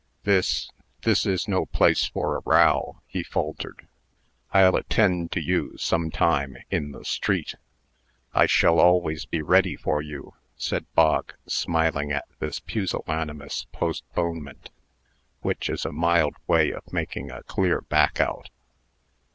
"This this is no place for a row," he faltered. "I'll attend to you, some time, in the street." "I shall always be ready for you," said Bog, smiling at this pusillanimous postponement which is a mild way of making a clear backout.